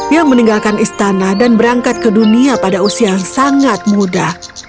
yang meninggalkan istana dan berangkat ke dunia pada usia yang sangat muda